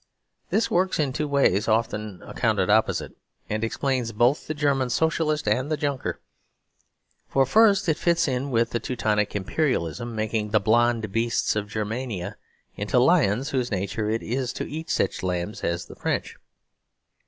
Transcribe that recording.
This works in two ways often accounted opposite; and explains both the German Socialist and the Junker. For, first, it fits in with Teutonic Imperialism; making the "blonde beasts" of Germania into lions whose nature it is to eat such lambs as the French.